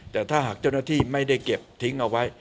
แต่ถ้าหากเจ้าหน้าที่ไม่ได้เก็บทิ้งเอาไว้